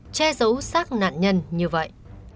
che giấu sát nạn nhân như vậy